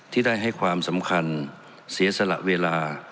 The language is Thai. ที่ได้ให้ความสำคัญเสียสละเวลา